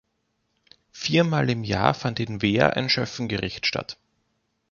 Viermal im Jahr fand in Wehr ein Schöffengericht statt.